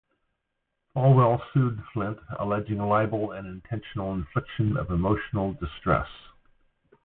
Falwell sued Flynt, alleging libel and intentional infliction of emotional distress.